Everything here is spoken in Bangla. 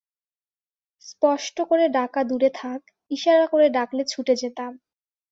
স্পষ্ট করে ডাকা দূরে থাক, ইশারা করে ডাকলে ছুটে যেতাম।